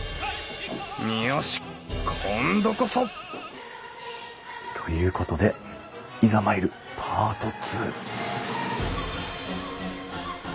よし今度こそ！ということでいざ参るパート２。